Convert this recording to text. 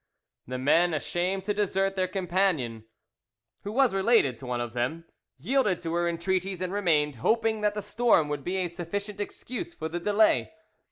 The men, ashamed to desert their companion, who was related to one of them, yielded to her entreaties and remained, hoping that the storm would be a sufficient excuse for the delay.